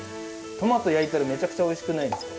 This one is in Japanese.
トマト焼いたらめちゃくちゃおいしくないですか？